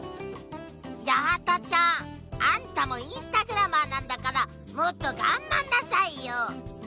八幡ちゃんあんたもインスタグラマーなんだからもっと頑張んなさいよ！